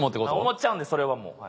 思っちゃうんでそれはもう。